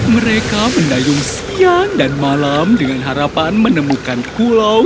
mereka mendayung sekian dan malam dengan harapan menemukan pulau